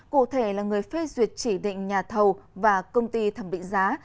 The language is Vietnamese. cụ thể là người phê duyệt chỉ định nhà thầu và công ty thẩm định giá